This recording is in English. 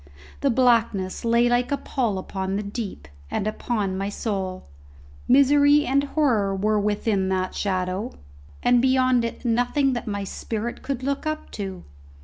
The blackness lay like a pall upon the deep, and upon my soul. Misery and horror were within that shadow, and beyond it nothing that my spirit could look up to!